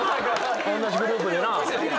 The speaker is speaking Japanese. おんなじグループでな。